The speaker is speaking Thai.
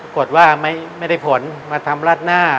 ว่าไม่ได้ผลมาทำรัดหน้า